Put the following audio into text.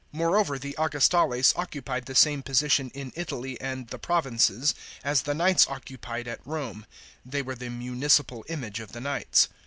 More over the Augustales occupied the same position in Italy and the provinces, as the knights occupied at Rome; they were the municipal image of the knights.